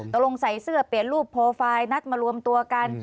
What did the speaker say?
ตรงใส่เสื้อเปลี่ยนรูปโปรไฟล์นัดมารวมตัวกัน